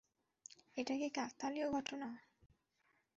এটা কি কাকতালীয় ঘটনা?